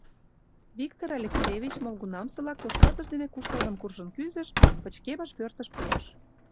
Виктор Алексеевич молгунамсылак тошкалтыш дене куштылгын куржын кӱзыш, пычкемыш пӧртыш пурыш.